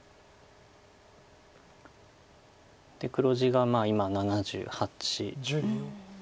黒地が今７８。